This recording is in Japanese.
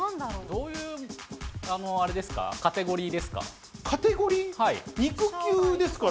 どういうあれですか？